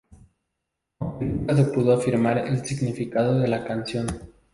Aunque nunca se pudo afirmar el significado de la canción.